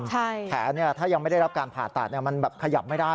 แขนถ้ายังไม่ได้รับการผ่าตัดมันแบบขยับไม่ได้